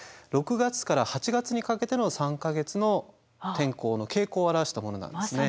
６月から８月にかけての３か月の天候の傾向を表したものなんですね。